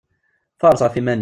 Faṛeṣ ɣef yiman-im!